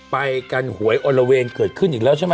ไปกันหวยอลละเวงเกิดขึ้นอีกแล้วใช่ไหม